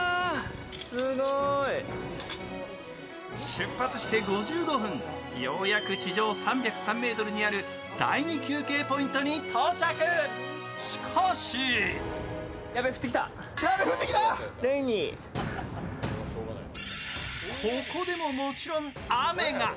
出発して５５分、ようやく地上３０３ｍにある第２休憩ポイントに到着、しかしここでも、もちろん雨が。